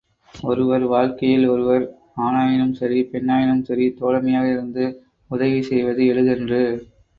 ஒருவர் வாழ்க்கையில் ஒருவர் ஆணாயினும் சரி, பெண்ணாயினும் சரி, தோழமையாக இருந்து உதவி செய்வது எளிதன்று.